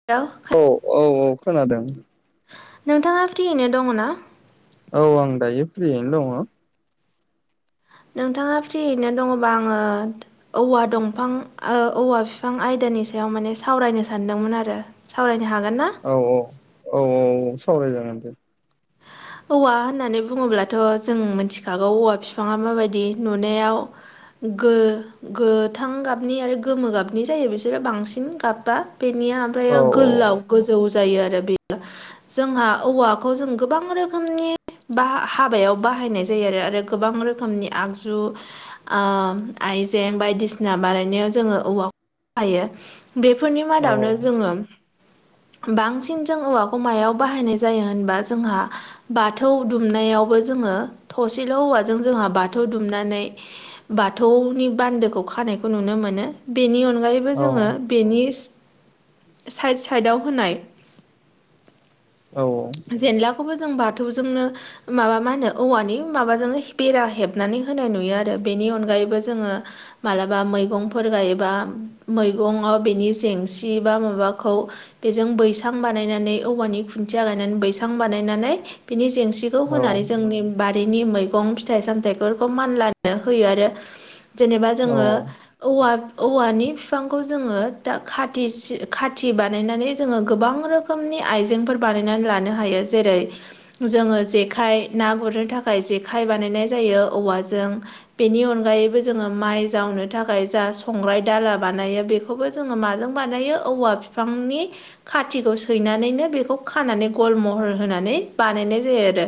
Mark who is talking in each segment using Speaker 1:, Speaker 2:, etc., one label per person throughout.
Speaker 1: [unintelligible]
Speaker 2: औ औ औ खोनादों।
Speaker 1: नोंथाङा फ्रियैनो दङ ना?
Speaker 2: औ आं दायो फ्रियैनो दङ।
Speaker 1: नोंथाङा फ्रियैनो दङबा आङो औवा दंफां औवा बिफां आयदानि सायाव माने सावरायनो सानदोंमोन आरो। सावरायनो हागोन ना?
Speaker 2: औ औ औ औ सावरायजागोन दे।
Speaker 1: [unintelligible] औवा होननानै बुङोब्लाथ' जों मिथिखागौ औवा बिफाङा मा बायदि नुनायाव [unintelligible] गोथां गाबनि आरो गोमो गाबनि जायो बिसोरो बांसिन गाबबा बेनिया। ओमफ्रायो
Speaker 2: औ
Speaker 1: गोलाव गोजौ जायो आरो बेयो जोंहा औवाखौ जों गोबां रोखोमनि बाह हाबायाव बाहायनाय जायो आरो आरो गोबां रोखोमनि आगजु आइजें बायदिसिना बानायनायाव जोङो औवाखौ बाहायो। बेफोरनि
Speaker 2: औ
Speaker 1: मादावनो जोङो बांसिन जों औवाखौ मायाव बाहायनाय जायो होनबा जोंहा बाथौ दुमनायावबो जोङो थसेल' हौवाजों जोंहा बाथौ दुमनानै बाथौनि बान्दोखौ खानायखौ नुनो मोनो। बेनि अनगायैबो
Speaker 2: औ
Speaker 1: जोङो बेनि साइड साइदआव होनाय
Speaker 2: औ औ।
Speaker 1: जेनलाखौबो जों बाथौजोंनो माबा मा होनो औवानि माबाजोंनो बेरा हेबनानै होनाय नुयो आरो। बेनि अनगायैबो जोङो मालाबा मैगंफोर गायोबा मैगंयाव बेनि जेंसि बा माबाखौ बेजों बैसां बानायनानै औवानि खुन्थिया गाय बैसांं बानायनानै बिनि जेंसिखौ
Speaker 2: औ
Speaker 1: होनानै जोंनि बारिनि मैगं, फिथाइ सामथाइफोरखौ मानला होयो आरो। जेनेबा
Speaker 2: औ
Speaker 1: जोङो औ औवानि बिफांखौ जोङो दा खा खाथि बानायनानै जोङो गोबां रोखोम रोखोमनि आइजेंफोर बानायनानै लानो हायो। जेरै- जोङो जेखाइ ना गुरनो थाखाय जेखाइ बानायनाय जायो औवाजों। बेनि अनगायैबो जोङो माइ जावनो थाखाय जा संग्राय दाला बानायो बेख बेखौबो जोङो माजों बानायो औवा बिफांनि खाथिखौ सैनानैनो बेखौ खानानै गल महर होनानै बानायनाय जायो आरो।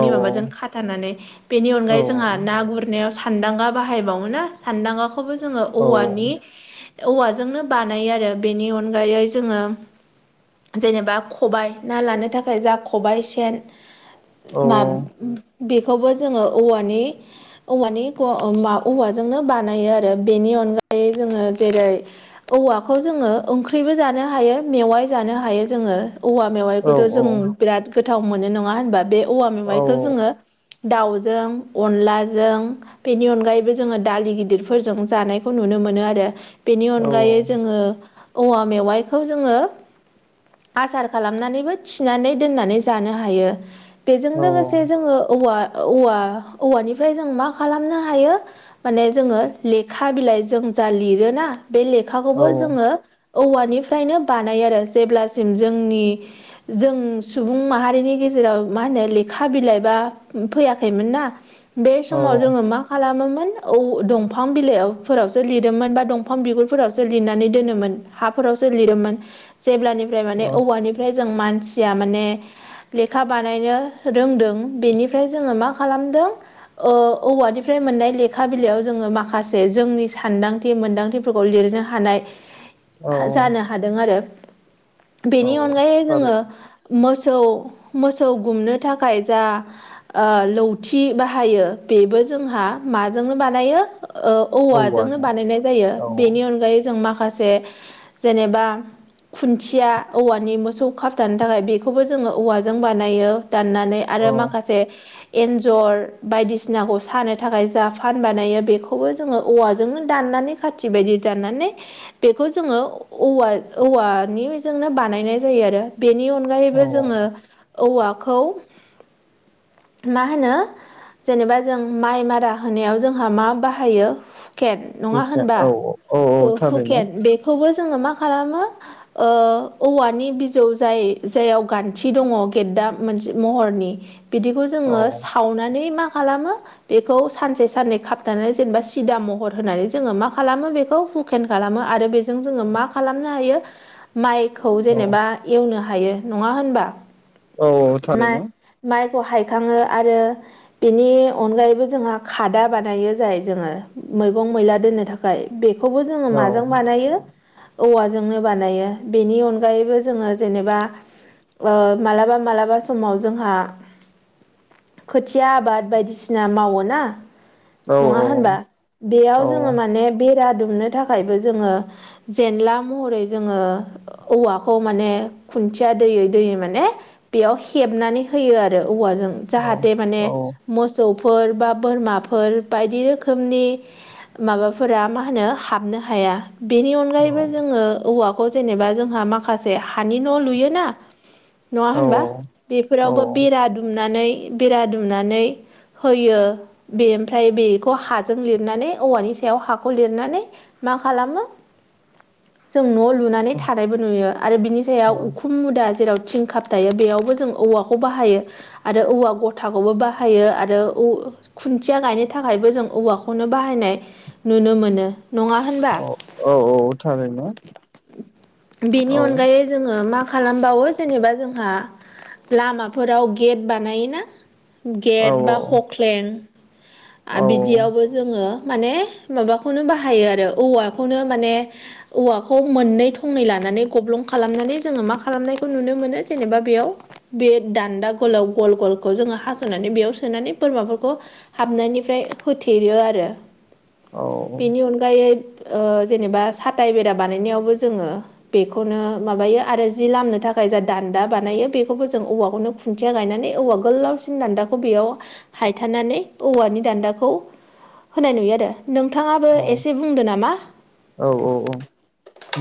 Speaker 2: औ औ
Speaker 1: माबाजों खाथानानै बेनि अनगायै जोंहा ना गुरनायाव सा सान्दांगा बाहायबावो ना सान्दांगाखौबो जोङो औवानि औवाजोंनो बानायो आरो बेनि अनगायै जोङो जेनेबा ख खबाइ ना लानो थाखाय जा खबाय सेन
Speaker 2: औ
Speaker 1: मा ब बेखौबो जोङो औवानि औवानि फ ओ औवाजोंनो बानायो आरो बेनि अनगायै जोङो जेरै औवाखौ जोङो ओंख्रिबो जानो हायो मेवाइ जानो हायो जोङो। औवा मेवाइखौथ' जों बिराद गोथाव मोनो नङा होनबा बे औवा मेवाइखौ जोङो दाउजों अनलाजों बेनि अनगायैबो जोङो दालि गिदिरफोरजों जानायखौ नुनो मोनो आरो। बेनि अनगायै जोङो औवा मेवाइखौ जोङो आसार खालामनानैबो थिनानै दोननानै जानो हायो। बेजों
Speaker 2: औ
Speaker 1: लोगोसे जोङो औवा औवा औवानिफ्राय जों मा खालामनो हायो माने जोङो लेखा बिलाइ जों जा लिरोना बे लेखा लेखाखौबो जोङो औवानिफ्रायनो बानायो आरो जेब्लासिम जोंनि जों सुबुं माहारिनि गेजेराव मा होनो लेखा बिलाइ बा फैयाखैमोन ना। बे समाव जोङो मा खालामोमोन औ दंफां बिलाइफोरावसो लिरोमोन बा दंफां बिगुरफोरावसो लिरनानै दोनोमोन। हाफोरावसो लिरोमोन। जेब्लानिफ्राय
Speaker 2: औ
Speaker 1: माने औवानिफ्राय जों मानसिया माने लेखा बानायनो रोंदों। बेनिफ्राय जोङो मा खालामदों ओ औवानिफ्राय मोननाय लेखा बिलाइयाव जोङो माखासे जोंनि सानदांथि मोनदांथि फोरखौ लिरनो हानाय जानो हादों आरो। बेनि अनगायै जोङो
Speaker 2: थारैनो
Speaker 1: मोसौ मोसौ गुमनो थाखाय जा ओ लौथि बाहायो बेबो जोंहा माजोंनो बानायो ओ औवाजोंनो
Speaker 2: औवाजों
Speaker 1: बानायनाय जायो।
Speaker 2: औ
Speaker 1: बेनि अनगायै जों माखासे जेनेबा खुन्थि खुन्थिया औवानि मोसौ खाबथानो थाखाय बेखौबो जोङो औवाजों बानायो दाननानै आरो माखासे एन्जर बायदिसिनाखौ सानो थाखाय जा फान बानायो बेखौबो जोङो औवाजोंनो दाननानै खाथि बायदि दानानै बेखौ जोङो औवा औवानि बाय जोंनो बनाय जायो आरो। बेनि
Speaker 2: औ
Speaker 1: अनगायैबो जोङो औवाखौ मा होनो। जेनेबा जों माइ मारा होनायाव जोंहा मा बाहायो हुखेन नङा
Speaker 2: हुकेन
Speaker 1: होनबा
Speaker 2: औ औ औ थारैनो
Speaker 1: हु-हुखेन बेखौबो जोङो मा खालामो ओ औवानि बिजौ जाय जायाव गान्थि दङ गेददा मोनसे महरनि। बिदिखौ
Speaker 2: औ
Speaker 1: जोङो सावनानै मा खालामो बेखौ सानसे साननै खाबथानानै जेनेबा सिदा महर होनानै जोङो मा खालामो बेखौ हुखेन खालामो आरो बेजों जोङो मा खालामनो हायो माइखौ
Speaker 2: औ
Speaker 1: जेनेबा एवनो हायो नङा होनबा।
Speaker 2: औ औ
Speaker 1: माइ
Speaker 2: थारैनो।
Speaker 1: माइखौ हायखाङो आरो बेनि अनगायैबो जोंहा खादा बानायो जाय जोङो मैगं मैला दोननो थाखाय। बेखौबो जोङो
Speaker 2: औ
Speaker 1: माजों बानायो औवाजोंनो बानायो। बेनि अनगायैबो जोङो जेनेबा ओ मालाबा मालाबा समाव जोंहा खोथिया आबाद बायदिसिना मावो ना
Speaker 2: औ
Speaker 1: नङा
Speaker 2: औ
Speaker 1: होनबा। बेयाव
Speaker 2: औ
Speaker 1: जोङो माने बेरा दुमनो थाखायबो जोङो जेनला महरै जोङो औवाखौ माने खुन्थिया दोयै दोयै माने बेयाव हेबनानै होयो आरो औवाजों
Speaker 2: थारैनो
Speaker 1: जाहाथे माने
Speaker 2: औ
Speaker 1: मोसौफोर बा बोरमाफोर बायदि रोखोमनि माबाफोरा मा होनो हाबनो हाया बेनि अनगायैबो जोङो औवाखौ जेनेबा जोंहा माखासे हानि न' लुयोना नङा
Speaker 2: औ
Speaker 1: होनबा बेफोरावबो बेरा दुमनानै बेरा दुमनानै होयो बे ओमफ्राय बेखौ हाजों लिरनानै औवानि सायाव हाखौ लिरनानै मा खालामो जों न' लुना थानायबो नुयो आरो बिनि सायाव उखुम मुदा जेराव थिं खाब थायो बेयावबो जों औवाखौ बाहायो आरो औवा गथाखौबो बाहायो आरो औ खुन्थिया गायनो थाखायबो जों औवाखौनो बाहायनाय नुनो मोनो नङा होनबा?
Speaker 2: औ औ थारैनो
Speaker 1: बेनि अनगायै जोङो मा खालामबावो जेनेबा जोंहा लामाफोराव गेट बानायोना गेट बा हख्लेन बिदियावबो जोङो माने माबाखौनो बाहायो आरो औवाखौनो माने औवाखौ मोननै थंनै लानानै गब्लं खालामनानै जोङो मा खालामनायखौ नुनो मोनो जेनेबा बेयाव बे दान्दा गलाव गल गलखौ जोङो हास'नानै बेयाव सोनानै बोरमाफोरखौ हाबनायनिफ्राय होथेयो आरो बेनि अनगा गायै ओ जेनेबा साथाय बेरा बानायनायावबो जोङो बेखौनो माबायो आरो जि लामनो थाखाय जा दान्दा बानायो बेखौबो जों औवाखौनो खुनथिया गायनानै औवा गोलावसिन दान्दाखौ बेयाव हायथानानै औवानि दान्दाखौ होनाय नुयो आरो नोंथाङाबो
Speaker 2: औ
Speaker 1: एसे बुंदों नामा?
Speaker 2: औ औ औ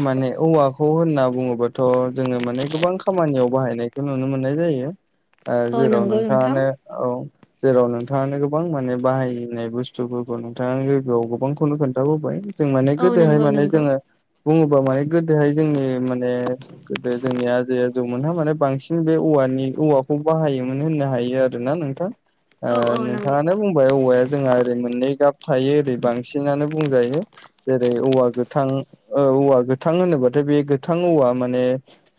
Speaker 2: माने औवाखौ होनना बुङोबथ' जोङो माने गोबां खामानियाव बाहायनायखौ नुनो मोननाय जायो। ओ
Speaker 1: औ
Speaker 2: जेराव
Speaker 1: नंगौ
Speaker 2: नोंथाङानो
Speaker 1: नोंथां
Speaker 2: औ जेराव नोंथाङानो गोबां माने बाहायनाय बुस्थुफोरखौ नोंथाङ लोगोयाव गोबांखौनो खोन्थाहाबोबाय जों माने
Speaker 1: औ
Speaker 2: गोदोहाय
Speaker 1: नंगौ
Speaker 2: माने
Speaker 1: नंगौ
Speaker 2: जोङो बुङोबा माने गोदोहाय जोंनि माने गोदो जोंनि आजै आजौमोनहा माने बांसिन बे औवानि औवाखौ बाहायोमोन होननो हायो आरो। नोंथां
Speaker 1: औ औ नंगौ
Speaker 2: नोंथाङा आनो बुंबाय औवाया जोंहा ओरै मोननै गाब थायो ओरै बांसिनानो बुंजायो जेरै औवा गोथां औवा गोथां होनोबाथाय बे गोथां औवा माने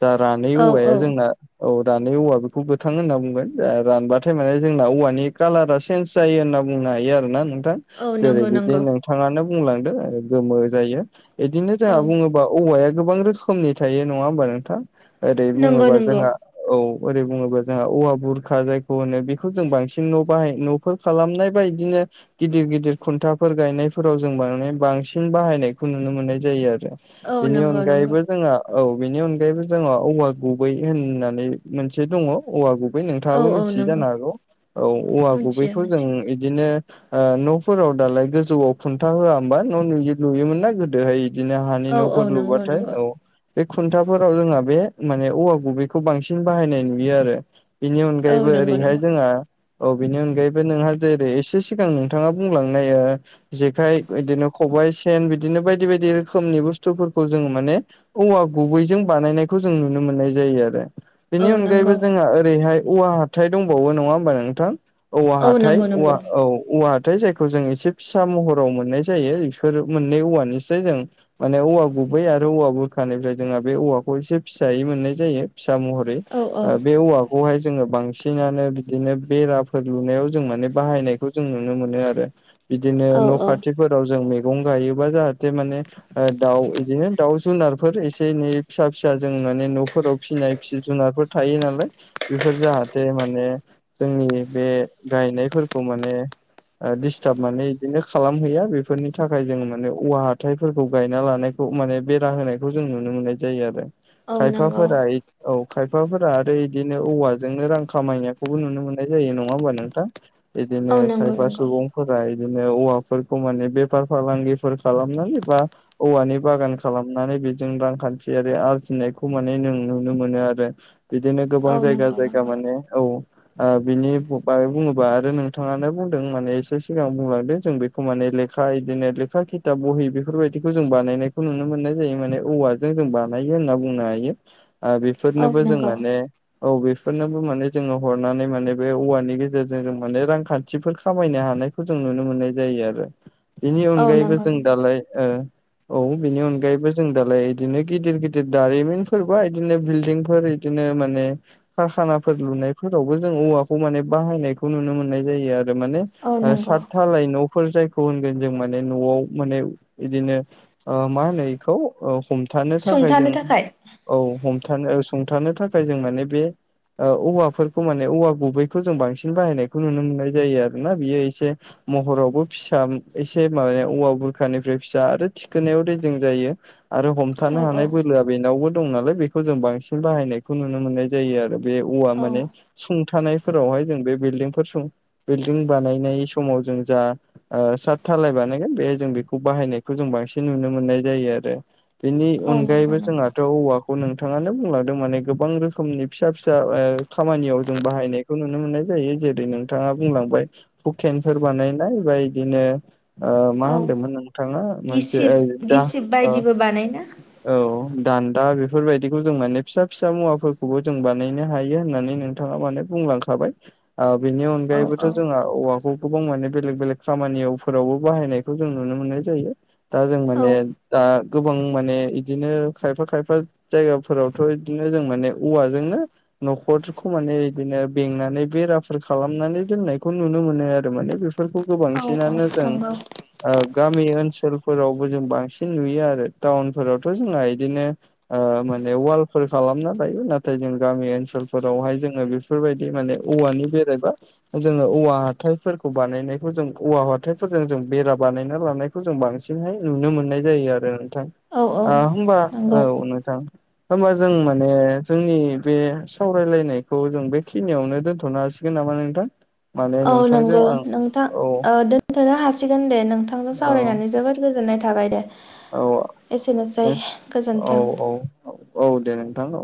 Speaker 2: जा रानि
Speaker 1: औ
Speaker 2: औवाया
Speaker 1: औ
Speaker 2: जोंना औ रानै औवा बेखौ गोथां होनना बुंगोन रानबाथाय माने जोंना औवानि कालारा सेन्ज जायो होनना बुंनो हायो आरो ना नोंथां।
Speaker 1: औ
Speaker 2: जेरै
Speaker 1: नंगौ
Speaker 2: बिदि
Speaker 1: नंगौ
Speaker 2: नोंथाङानो बुंलांदों गोमो जायो बिदिनो
Speaker 1: औ
Speaker 2: जोंहा बुङोब‌ बा औवाया गोबां रोखोमनि थायो नङा होमबा नोंथां ओरै
Speaker 1: नंगौ
Speaker 2: बुङोबा
Speaker 1: नंगौ
Speaker 2: जोंहा औ ओरै बुङोबा जोंहा औवा बुरखा जायखौ होनो बेखौ जों बांसिन न' बाहाय न' फोर खालामनाय बा बिदिनो गिदिर गिदिर खुन्थाफोर गायनायफोराव जों माने बांसिन सिन बाहायनायखौ नुनो मोननाय जायो आरो
Speaker 1: औ
Speaker 2: बेनि
Speaker 1: नंगौ नंगौ
Speaker 2: अनगायैबो जोंहा औ बेनि अनगायैबो जोंंहा औवा गुबै होननानै मोनसे दङ औवा गुबै
Speaker 1: औ
Speaker 2: नोंथाङाबो
Speaker 1: औ
Speaker 2: मिथियो
Speaker 1: नंगौ
Speaker 2: जानो हागौ औ औवा
Speaker 1: मिथियो
Speaker 2: गुबैखौ जों
Speaker 1: मिथियो
Speaker 2: इदिनो न'फोराव दालाय गोजौआव खुन्था होआ होमबा न' नुयो नुयोमोन ना गोदोहाय बिदिनो हानि
Speaker 1: औ औ
Speaker 2: न'फोर
Speaker 1: नंगौ
Speaker 2: लुबाथाय
Speaker 1: नंगौ
Speaker 2: औ बे खुन्थाफोराव जोंहा बे माने औवा गुबैखौ बांसिन बाहायनाय नुयो आरो। बेनि
Speaker 1: औ
Speaker 2: अनगायैबो
Speaker 1: नंगौ
Speaker 2: ओरैहाय
Speaker 1: नंगौ
Speaker 2: जोंहा औ बिनि अनगायैबो नोंहा जेरै एसे सिगां नोंथाङा बुंलांनाय ओ जेखाइ बिदिनो खबाइ सेन बिदिनो बायदि बायदि रोखोमनि बुस्थुफोरखौ जोंङो माने औवा गुबैजों बानायनायखौ जों नुनो मोननाय जायो आरो। बेनि
Speaker 1: औ
Speaker 2: अनगायैबो
Speaker 1: नंगौ
Speaker 2: जोंहा ओरैहाय औवा हाथाय दंबावो नङा होमबा नोंथां? औवा
Speaker 1: औ
Speaker 2: हाथाय
Speaker 1: नंगौ
Speaker 2: औव
Speaker 1: नंगौ
Speaker 2: औ औवा हाथाय जायखौ जों एसे फिसा महराव मोननाय जायो। फोर मोननै औवानिसै जों माने औवा गुबै आरो औवा बुरखानिफ्राय जोंहा बे औवाखौ एसे फिसायै मोननाय जायो फिसा महर [unintelligible] बे
Speaker 1: औ औ
Speaker 2: औवा बेखौहाय जोङो बांसिनानो बिदिनो बेराफोर लुनायाव जों माने बाहायनायखौ जों नुनो मोनो आरो। बिदिनो
Speaker 1: औ
Speaker 2: न'
Speaker 1: औ
Speaker 2: खाथिफोराव जों मैगं गायोबा जाहाथे माने दाउ बिदिनो दाउ जुनारफोर एसे एनै फिसा फिसा जों माने न'फोराव फिसिनाय जिब जुनारफोर थायो नालाय बेफोर जाहाथे माने जोंनि बे गायनायफोरखौ माने दिडिस्टार्ब माने बिदिनो खालामहैया बेफोरनि थाखाय जों माने औवा हाथथायफोरखौ गायना लानायखौ माने बेरा होनायखौ जों नुनो मोननाय जायो आरो।
Speaker 1: औ नंगौ
Speaker 2: खायफाफोरा इद औ खायफाफोरा आरो बिदिनो औवाजोंनो रां खामायनायखौबो नुनो मोननाय जायो नङा होमबा नोंथां? बिदिनो
Speaker 1: औ नंगौ
Speaker 2: खायफा
Speaker 1: नंगौ
Speaker 2: सुबुंफोरा बिदिनो औवाफोरखौ माने बे फार फालांगिफोर खालामनांय बा औवानि बागान खालामनानै बेजों रांखान्थियारि आरजिनायखौ माने नों नुनो मोनो आरो। बिदिनो
Speaker 1: औ
Speaker 2: गोबां जायगा
Speaker 1: नंगौ
Speaker 2: जायगा
Speaker 1: नंगौ
Speaker 2: माने औ बिनि बै बुङोबा आरो नोंथाङानो बुंदों माने एसे सिगां बुंलांदों जों बेखौ माने ले खा बिदिनो लेखा खिथा बहि बेफोरबायदिखौ जों बानायनायखौ नुनो मोननाय जायो माने औवा जों जों बानायो होनना बुंनो हायो
Speaker 1: औ
Speaker 2: बेफोरनोबो जों
Speaker 1: नंगौ
Speaker 2: माने औ बेफोरनोबो माने जोङो हरनानै माने बे औवानि गेजेरजों जों माने रांखान्थिफोर खामायनो हानाय खौ जों नुनो मोननाय जायो आरो बेनि
Speaker 1: औ
Speaker 2: अनगायैबो
Speaker 1: नंगौ
Speaker 2: जों
Speaker 1: नंगौ
Speaker 2: दालाय ओ औ बिनि अनगायैबो जों दालाय बिदिनो गिदिर गिदिर दारिमिनफोरबा बिदिनो बिल्डिंफोर दिनो माने खारखानाफोर लुनायफोरावबो जों औवाखौ माने बाहायनायखौ नुनो मोननाय जायो आरो माने
Speaker 1: औ नंगौ
Speaker 2: सातथालाय न'फोर जायखौ होनगोन जों माने न'आव माने बिदिनो मा होनो बेखौ? औ हमथानो थाखाय जों
Speaker 1: सुंथानो थाखाय
Speaker 2: औ हमथानो सुंथानो थाखाय जों माने बे औवाफोरखौ माने औवा गुबैखौ जों बांसिन बाहायनायखौ नुनो मोननाय जायो आरो ना बियो एसे महरावबो फिसा एसे माबाया औवा बुरखानिफ्राय फिसा आरो थिखोनायाव रेजें जायो। आरो
Speaker 1: औ
Speaker 2: हमथानो
Speaker 1: औ
Speaker 2: हानाय बोलोआ बेनावबो दं नालाय बेखौ जों बांसिन बाहायनायखौ नुनो मोननाय जायो आरो बे औवा
Speaker 1: औ
Speaker 2: माने सुंथानायफोरावहाय जों बे बिल्डिंफोर सुं बिल्डिं बानायनाय समाव जों जा साट थालाय बानायगोन बेहाय जों बेखौ बाहायनायखौ जों बांसिन नुनो मोननाय जायो आरो। बेनि
Speaker 1: औ नंगौ
Speaker 2: अनगायैबो
Speaker 1: नंगौ
Speaker 2: जोंहाथ' औवा खो खौ नोंथाङानो बुंलांदों माने गोबां रोखोमनि फिसा फिसा खामानियाव जों बाहायनाय खौ नुनो मोननाय जायो जेरै नोंथाङा बुंलांबाय हुकेनफोर बानायनाय बा बिदिनो मा
Speaker 1: औ
Speaker 2: होनदोंमोन नोंथाङा मोनसे
Speaker 1: गिसिब
Speaker 2: ओइ दा
Speaker 1: गिसिब
Speaker 2: अ
Speaker 1: बायदिबो बानायना
Speaker 2: औ दान्दा बेफोरबायदिखौ जों माने फिसा फिसा मुवाफोरखौबो जों बानायनो हायो होननानै नों थाङा माने बुंलांखाबाय। आ बेनि
Speaker 1: औ
Speaker 2: अनगायैबोथ'
Speaker 1: औ
Speaker 2: जोंहा औवाखौ गोबां माने बेलेग बेलेग खामानियाव फोरावबो बाहायनायखौ जों नुनो मोननाय जायो। दा जों
Speaker 1: औ
Speaker 2: माने दा गोबां माने बिदिनो खायफा खायफा जायगाफोरावथ' बिदिनो जों माने औवाजोंनो न'खरखौ माने बिदिनो बेंनानै बेराफोर खालामनानै लोंनायखौ नुनो मोनो आरो माने बे फोरफोरखौ गो बांसिनानो
Speaker 1: थांगौ।
Speaker 2: गामि ओनसोलफोरावबो जों बांसिन नुयो आरो टाउनफोरावथ' जोंना बिदिनो ओ माने वालफोर खालामना लायो नाथाय जों गामि ओनसोलफोरावहाय जोङो बेफोरबायदि माने औवानि बेरायबा जोङो औवा हााइफोरखौ बानायनायखौ जों औवा हाथाइ फोरजों जों बेरा बानायना लानायखौ जों बांसिनहाय नुनो मोननाय जायो आरो नोंथां।
Speaker 1: औ औ
Speaker 2: आ होमबा औ
Speaker 1: नंगौ
Speaker 2: नोंथां। होमबा जों माने जोंनि बे सावरायलायनायखौ जों बेखिनियावनो दोनथ'नो हासि नाबा नोंथां? माने
Speaker 1: औ
Speaker 2: नोंथांजों
Speaker 1: नंगौ
Speaker 2: आं
Speaker 1: नोंथां
Speaker 2: औ
Speaker 1: ओ दो दोनथ'नो हासिगोन दे नोंथांजों
Speaker 2: औ
Speaker 1: सावरायनानै जोबोद गोजोननाय थाबाय दे। एसेनोसै
Speaker 2: औ औ
Speaker 1: गोजोन्थों।
Speaker 2: औ औ औ दे नोंथां औ।